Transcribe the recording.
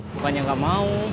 bukannya gak mau